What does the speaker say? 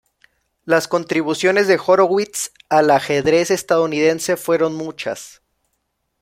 Las contribuciones de Horowitz al ajedrez estadounidense fueron muchas.